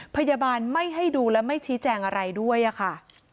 พยาบาลไม่ให้ดูและไม่ชี้แจงอะไรด้วยค่ะ